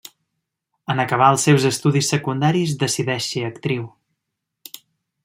En acabar els seus estudis secundaris decideix ser actriu.